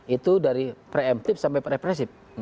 itu dari preemptif sampai represif